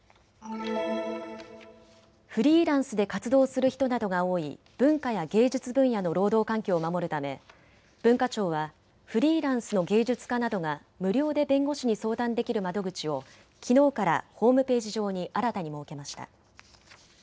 フリーランスで活動する人などが多い文化や芸術分野の労働環境を守るため文化庁はフリーランスの芸術家などが無料で弁護士に相談できる窓口をきのうからホームページ上に新たに設けました。